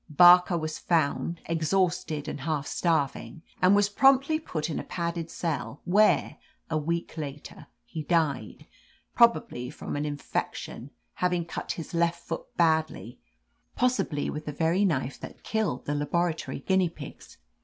Barker was found, exhausted and half starving, and was promptly put in a padded cell, where, a week later, he died, probably from an infec tion, having cut his left foot badly, possibly with the very knife that killed the laboratory guinea pigs.